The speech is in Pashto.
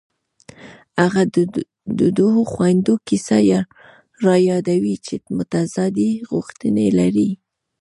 هغه د دوو خویندو کیسه رایادوي چې متضادې غوښتنې لري